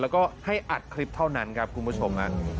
แล้วก็ให้อัดคลิปเท่านั้นครับคุณผู้ชม